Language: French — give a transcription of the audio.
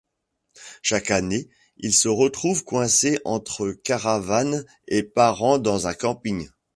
Chaque année, ils se retrouvent coincés entre caravanes et parents dans un camping.